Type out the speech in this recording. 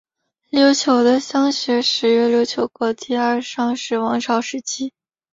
琉球的乡学始于琉球国第二尚氏王朝时期。